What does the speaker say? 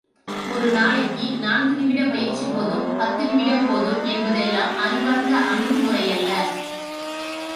ஒரு நாளைக்கு நான்கு நிமிடப் பயிற்சி போதும், பத்து நிமிடம் போதும் என்பதெல்லாம் அறிவார்ந்த அணுகு முறையல்ல.